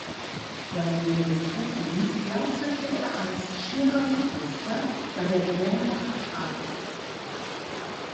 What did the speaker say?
Seinen Militärdienst leistete er als Schirrmeister bei der Wehrmacht ab.